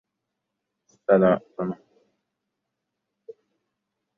Endi, mehmon atoyi xudo, Qayum aka.